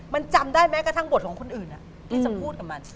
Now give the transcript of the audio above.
มันจำได้แม้กระทั่งบทของคนอื่นที่จะพูดกับมัน